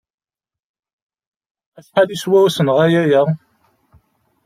Acḥal yeswa usenɣay-a?